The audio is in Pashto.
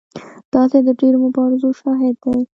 دا ځای د ډېرو مبارزو شاهد دی.